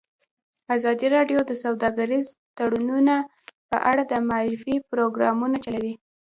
ازادي راډیو د سوداګریز تړونونه په اړه د معارفې پروګرامونه چلولي.